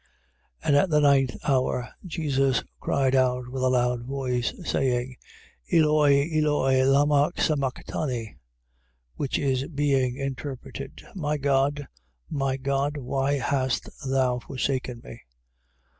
15:34. And at the ninth hour, Jesus cried out with a loud voice, saying: Eloi, Eloi, lamma sabacthani? Which is, being interpreted: My God, My God, Why hast thou forsaken me?